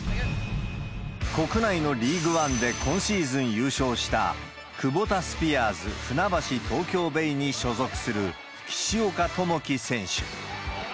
国内のリーグワンで今シーズン優勝した、クボタスピアーズ船橋・東京ベイに所属する、岸岡智樹選手。